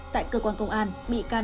tại cơ quan công an bị can bị can